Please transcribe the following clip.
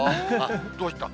どうした？